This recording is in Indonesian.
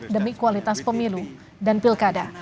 demi kualitas pemilu dan pilkada